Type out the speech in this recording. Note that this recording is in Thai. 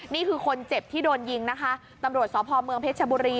นี่คือคนเจ็บที่โดนยิงนะคะตำรวจสพเมืองเพชรชบุรี